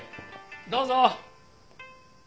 どうぞ。